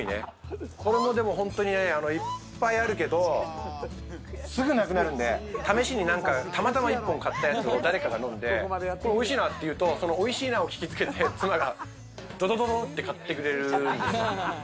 いっぱいあるけどすぐなくなるんで、試しに、たまたま１本買ったやつを誰かが飲んでおいしいなっていうと、そのおいしいなを聞きつけて、妻がドドドドって買ってくれるんです。